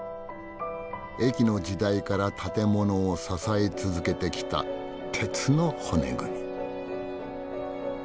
駅の時代から建物を支え続けてきた鉄の骨組み。